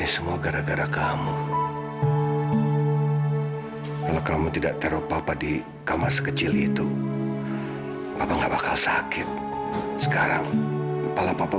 sampai jumpa di video selanjutnya